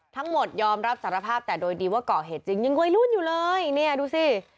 ยอมรับสารภาพแต่โดยดีว่าก่อเหตุจริงยังวัยรุ่นอยู่เลยเนี่ยดูสิ